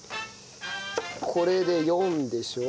これで４でしょ？